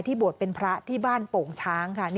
บวชเป็นพระที่บ้านโป่งช้างค่ะ